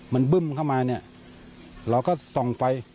มันบึ้มเข้ามาเนี่ยเราก็ส่องไฟ